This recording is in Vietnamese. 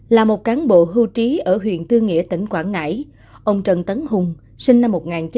là một cán bộ hưu trí ở huyện tư nghĩa tỉnh quảng ngãi ông trần tấn hùng sinh năm một nghìn chín trăm tám mươi